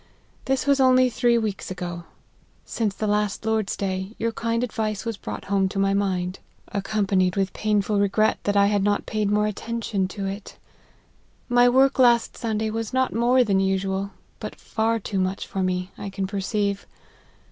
This was only three weeks ago. Since the last Lord's day, your kind advice was brought home to my mind, LIFE OF HENRY MARTYN. 12$ accompanied with painful regret that T had not paid more attention to it. My work last Sunday was not more than usual, but far too much for me, I can perceive.